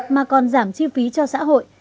mà còn giảm chi phí cho xã hội